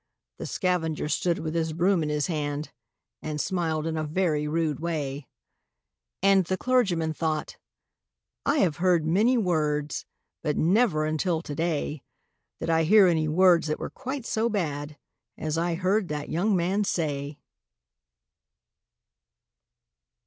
The scavenger stood with his broom in his hand, And smiled in a very rude way; And the clergyman thought, 'I have heard many words, But never, until to day, Did I hear any words that were quite so bad As I heard that young man say.'